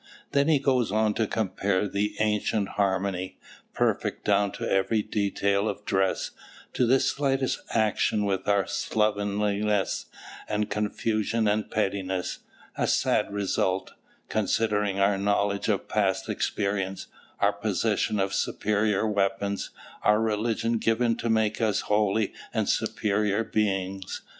Then he goes on to compare the ancient harmony, perfect down to every detail of dress, to the slightest action, with our slovenliness and confusion and pettiness, a sad result considering our knowledge of past experience, our possession of superior weapons, our religion given to make us holy and superior beings.